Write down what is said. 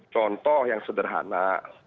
contoh yang sederhana